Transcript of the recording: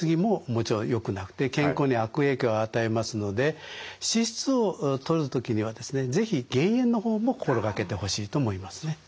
もちろんよくなくて健康に悪影響を与えますので脂質をとる時にはですね是非減塩の方も心掛けてほしいと思いますね。